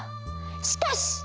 しかし！